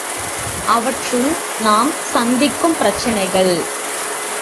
அவற்றுள் நாம் சந்திக்கும் பிரச்சனைகள்.